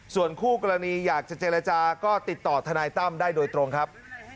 ส่วนคู่กรณีอยากจะเจรจาก็ติดต่อทนายตั้มได้โดยตรงครับ